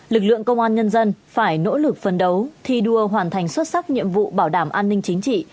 lực lượng công an nhân dân phải nỗ lực phấn đấu thi đua hoàn thành xuất sắc nhiệm vụ bảo đảm an ninh chính trị